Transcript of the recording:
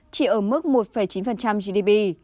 chỉ ở mức một chín gdp